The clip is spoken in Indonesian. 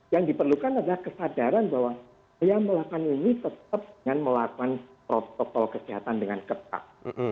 yang diperlukan adalah kesadaran bahwa yang melakukan ini tetap dengan melakukan protokol kesehatan dengan ketat